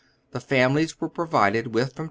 The families were provided with from two to